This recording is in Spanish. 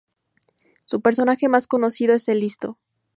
Su personaje más conocido es El Listo.